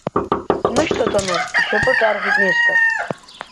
Днышьҭаҵаны ишьапы ҿарҳәеит Нестор.